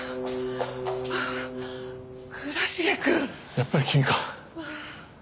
やっぱり君か。